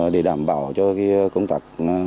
để đảm bảo cho công tác